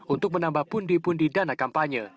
untuk menambah pundi pundi dana kampanye